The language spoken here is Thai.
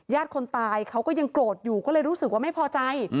คนตายเขาก็ยังโกรธอยู่ก็เลยรู้สึกว่าไม่พอใจ